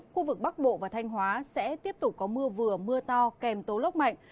khu vực bắc bộ và thanh hóa sẽ tiếp tục có mưa vừa mưa to kèm tố lốc mạnh